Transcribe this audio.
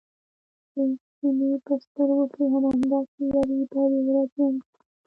د چیني په سترګو کې د همداسې یوې بدې ورځې انځور و.